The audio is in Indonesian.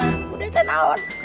muda kan om